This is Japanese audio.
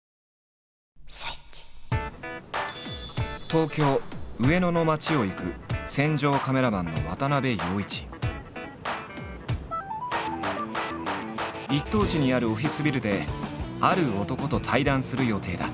東京上野の街を行く一等地にあるオフィスビルである男と対談する予定だ。